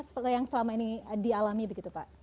seperti yang selama ini dialami begitu pak